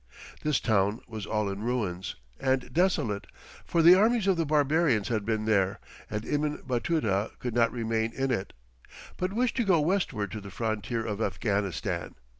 This town was all in ruins and desolate, for the armies of the barbarians had been there, and Ibn Batuta could not remain in it, but wished to go westward to the frontier of Afghanistan.